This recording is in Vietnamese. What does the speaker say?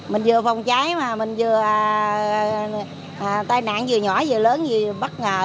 mình vừa phòng cháy mà mình vừa tai nạn vừa nhỏ vừa lớn vừa bất ngờ